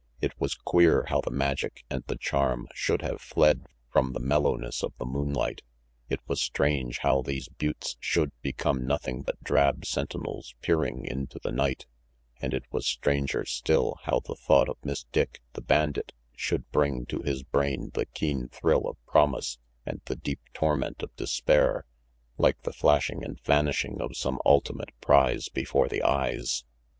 It was queer how the magic and the charm should have fled from the 316 RANGY PETE mellowness of the moonlight. It was strange how these buttes should become nothing but drab sen tinels peering into the night; and it was stranger still how the thought of Miss Dick, the bandit, should bring to his brain the keen thrill of promise and the deep torment of despair, like the flashing and vanishing of some ultimate prize before the eyes.